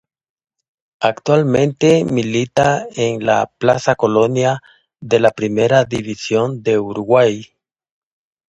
Actualmente milita en el Plaza Colonia de la Primera División de Uruguay.